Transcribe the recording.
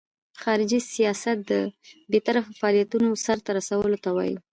خارجي سیاست د بیطرفه فعالیتونو سرته رسولو ته وایي.